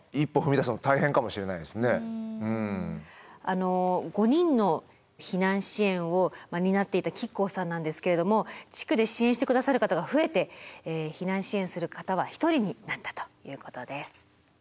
あの５人の避難支援を担っていた亀甲さんなんですけれども地区で支援して下さる方が増えて避難支援する方は１人になったということです。